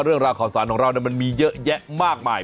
เรื่องราวข่าวสารของเรามันมีเยอะแยะมากมาย